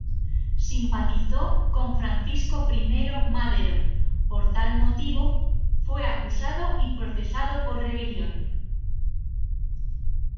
Simpatizó con Francisco I. Madero, por tal motivo, fue acusado y procesado por rebelión.